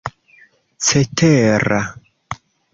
cetera